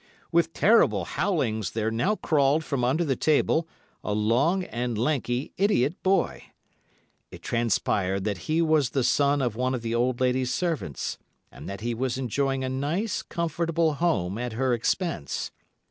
With terrible howlings there now crawled from under the table a long and lanky idiot boy. It transpired that he was the son of one of the old lady's servants, and that he was enjoying a nice, comfortable home at her expense.